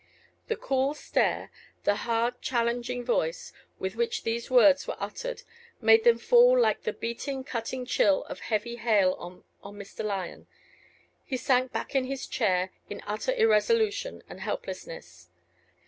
The cool stare, the hard challenging voice, with which these words were uttered, made them fall like the beating cutting chill of heavy hail on Mr. Lyon. He sank back in his chair in utter irresolution and helplessness.